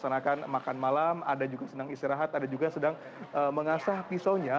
ada yang sedang melaksanakan makan malam ada juga sedang istirahat ada juga sedang mengasah pisaunya